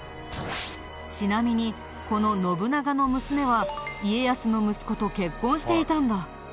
ちなみにこの信長の娘は家康の息子と結婚していたんだ。